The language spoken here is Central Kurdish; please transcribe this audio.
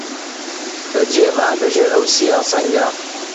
بەجێ ما لە ژێر ئەو سیا سەنگا